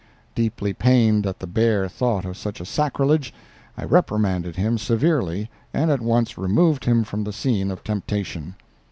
Deeply pained at the bare thought of such a sacrilege, I reprimanded him severely and at once removed him from the scene of temptation.